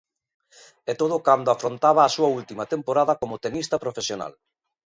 E todo cando afrontaba a súa última temporada como tenista profesional.